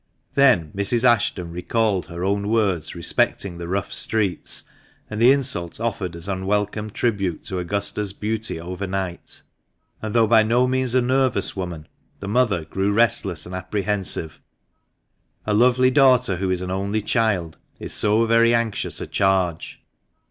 Then Mrs. Ashton recalled her own words respecting the rough streets, and the insult offered as unwelcome tribute to Augusta's beauty over night ; and, though by no means a nervous woman, the mother grew restless and apprehensive — a lovely daughter who is an only child is so very anxious a charge.